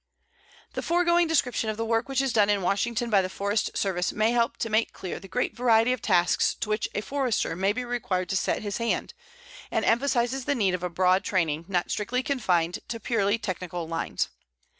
The foregoing description of the work which is done in Washington by the Forest Service may help to make clear the great variety of tasks to which a Forester may be required to set his hand, and emphasizes the need of a broad training not strictly confined to purely technical lines.